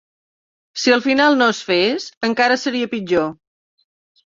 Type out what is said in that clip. Si al final no es fes, encara seria pitjor.